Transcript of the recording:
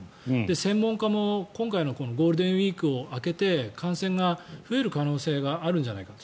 専門家も今回のゴールデンウィークを明けて感染が増える可能性があるんじゃないかと。